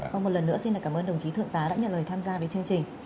vâng một lần nữa xin cảm ơn đồng chí thượng tá đã nhận lời tham gia đến chương trình